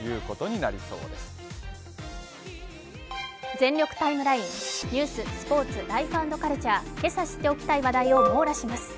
「全力ＴＩＭＥライン」ニュース、スポーツ、ライフ＆カルチャー、今朝知っておきたい話題を網羅します。